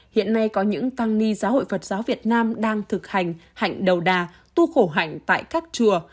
hiện nay có những tăng ni giáo hội phật giáo việt nam đang thực hành hạnh đầu đà tu khổ hạnh tại các chùa